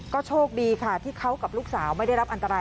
ก็โชคดีค่ะที่เขากับลูกสาวไม่ได้รับอันตราย